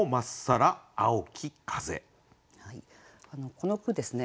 この句ですね